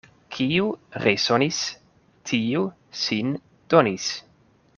Kiu resonis, tiu sin donis.